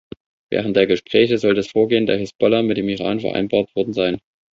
Während der Gespräche soll das Vorgehen der Hisbollah mit dem Iran vereinbart worden sein.